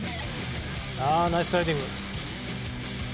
ナイススライディング！